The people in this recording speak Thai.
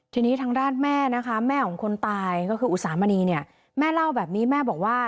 ทีนี้ทางด้านแม่นะคะแม่ของคนตายก็คืออุตสามณีเนี่ยแม่เล่าแบบนี้แม่บอกว่า